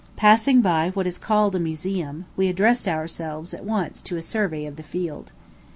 Passing by what is called a museum, we addressed ourselves at once to a survey of the field.